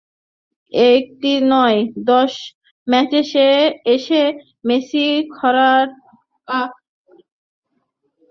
একটি নয়, দশম ম্যাচে এসে মেসি খরা কাটালেন জোড়া গোল করে।